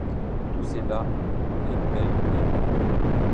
Tout cela est bel et bon !